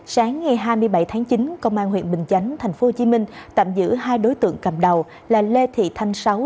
sáng ngày hai mươi bảy tháng chín công an huyện bình chánh tp hcm tạm giữ hai đối tượng cầm đầu là lê thị thanh sáu